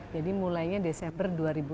jadi mulainya desember dua ribu delapan belas